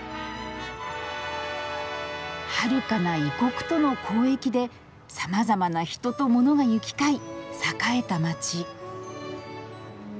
はるかな異国との交易でさまざまな人と物が行き交い栄えた街。